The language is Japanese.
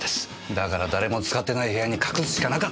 だから誰も使ってない部屋に隠すしかなかった！